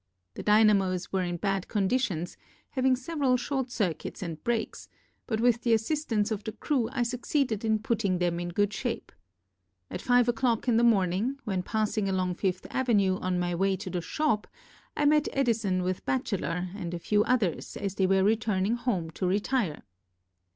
The dynamos were in bad condition, having several short circuits and breaks, but with the assistance of the crew I succeeded in putting them in good shape. At five o'clock in the morning, when passing along Fifth Avenue on my way to the shop, I met Edison with Batchellor and a few others as they were returning home to retire.